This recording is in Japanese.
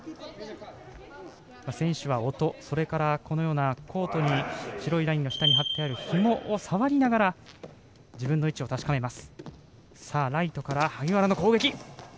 選手は音、それからこのようなコートの白いところに張ってあるひもを触りながら自分の位置を確かめます。